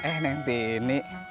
eh neng tini